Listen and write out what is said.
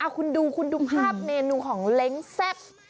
คุณดูภาพเมนูของเล้งแซ่บ